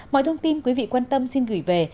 mọi thông tin quý vị quan tâm xin gửi về